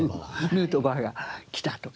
ヌートバーが来たとか。